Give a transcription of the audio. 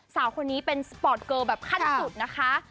สาวคนนี้เป็นสปอร์ตเกอร์แบบขั้นสุดนะคะ